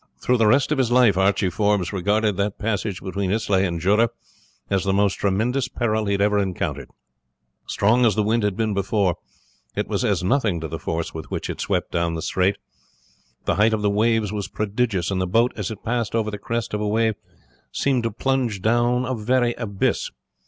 Through the rest of his life Archie Forbes regarded that passage between Islay and Jura as the most tremendous peril he had ever encountered. Strong as the wind had been before, it was as nothing to the force with which it swept down the strait the height of the waves was prodigious, and the boat, as it passed over the crest of a wave, seemed to plunge down a very abyss.